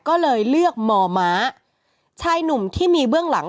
ก็เลยเลือกมอม้าชายหนุ่มที่มีเบื้องหลัง